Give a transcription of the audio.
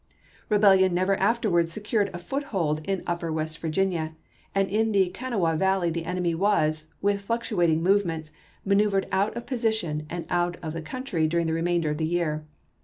Rebellion never afterwards secured a foothold in upper Western Virginia; and in the Kanawha Valley the enemy was, with fluctuating movements, manoeuvered out of position and out of the country during the remainder of the year.